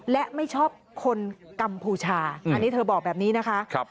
และไม่ชอบคนกัมพูชาอันนี้เธอบอกแบบนี้นะคะ